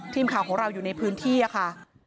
ทีมข่าวของเราอยู่ในพื้นที่ค่ะ